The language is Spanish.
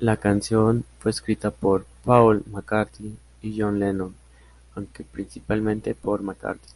La canción fue escrita por Paul McCartney y John Lennon, aunque principalmente por McCartney.